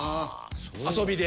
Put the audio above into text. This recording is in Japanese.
遊びで。